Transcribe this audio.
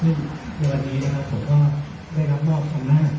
ซึ่งในวันนี้ผมก็ได้รับบอกคำนาจ